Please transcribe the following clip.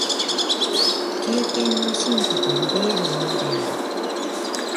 経験の深化と呼び得るものである。